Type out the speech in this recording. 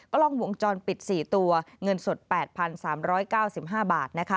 กล้องวงจรปิด๔ตัวเงินสด๘๓๙๕บาทนะคะ